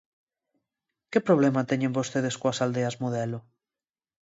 ¿Que problema teñen vostedes coas aldeas modelo?